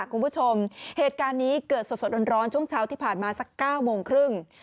คุณผู้ชมเหตุการณ์นี้เกิดสดร้อนช่วงเช้าที่ผ่านมาสัก๙โมงครึ่ง